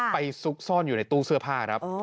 ซุกซ่อนอยู่ในตู้เสื้อผ้าครับ